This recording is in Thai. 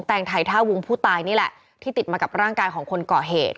งไทยท่าวงผู้ตายนี่แหละที่ติดมากับร่างกายของคนก่อเหตุ